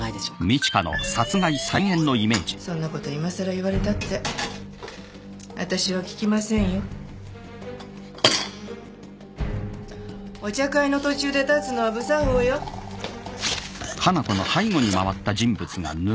そんなこといまさら言われたって私は聞きませんよお茶会の途中で立つのは不作法よウッ